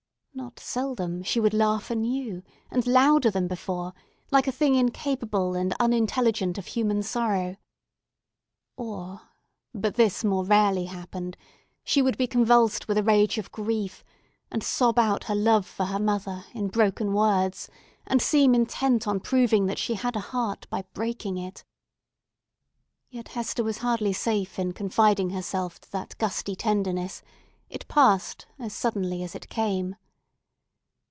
Not seldom she would laugh anew, and louder than before, like a thing incapable and unintelligent of human sorrow. Or—but this more rarely happened—she would be convulsed with rage of grief and sob out her love for her mother in broken words, and seem intent on proving that she had a heart by breaking it. Yet Hester was hardly safe in confiding herself to that gusty tenderness: it passed as suddenly as it came.